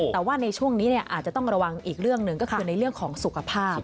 แต่ว่าในช่วงนี้อาจจะต้องระวังอีกเรื่องหนึ่งก็คือในเรื่องของสุขภาพ